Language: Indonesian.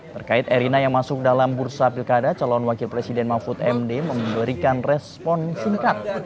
terkait erina yang masuk dalam bursa pilkada calon wakil presiden mahfud md memberikan respon singkat